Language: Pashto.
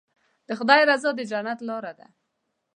د خدای رضا د نجات لاره ده.